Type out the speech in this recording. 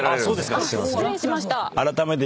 失礼しました。